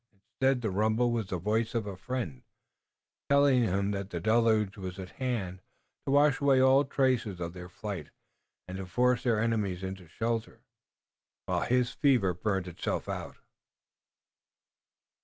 Instead, the rumble was the voice of a friend, telling him that the deluge was at hand to wash away all traces of their flight and to force their enemies into shelter, while his fever burned itself out.